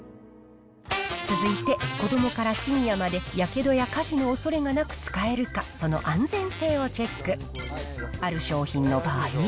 続いて、子どもからシニアまで、やけどや火事の恐れがなく使えるか、その安全性をチェック。